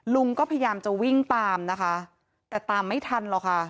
ลุงก็พยายามจะวิ่งตามนะคะแต่ตามไม่ทันหรอกค่ะ